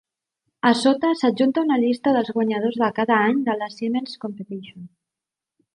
A sota s'adjunta una llista dels guanyadors de cada any de la Siemens Competition.